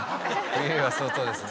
冬は相当ですね。